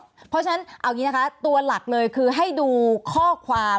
เพราะฉะนั้นเอาอย่างนี้นะคะตัวหลักเลยคือให้ดูข้อความ